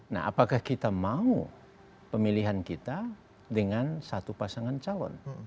nah apakah kita mau pemilihan kita dengan satu pasangan calon